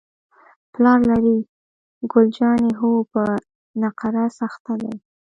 پلار لرې؟ ګل جانې: هو، په نقرس اخته دی.